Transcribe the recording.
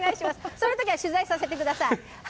その時は取材させてください。